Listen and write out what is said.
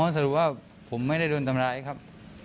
สรุปว่าผมไม่ได้โดนทำร้ายครับ